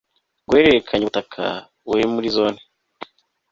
guhererekanya ubutaka buri muri Zone